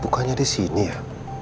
bukannya di sini ya